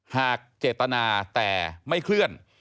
หากเจตนาแต่ไม่เคลื่อน